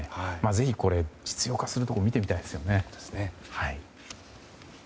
ぜひ、これを実用化するところ見てみたいですね。